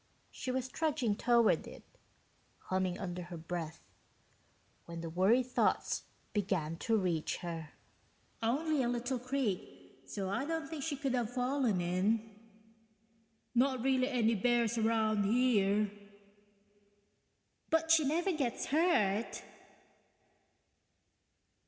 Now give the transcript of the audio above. She was trudging toward it, humming under her breath, when the worry thoughts began to reach her. (... only a little creek so I don't think she could have fallen in ... not really any bears around here ... but she never gets hurt